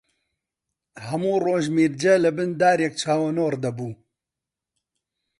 هەموو ڕۆژ میرجە لەبن دارێک چاوەنۆڕ بوو